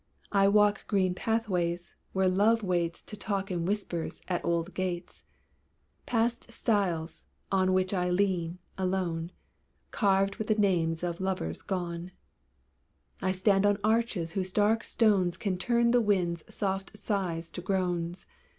I walk green pathways, where love waits To talk in whispers at old gates; Past stiles on which I lean, alone Carved with the names of lovers gone; I stand on arches whose dark stones Can turn the wind's soft sighs to groans.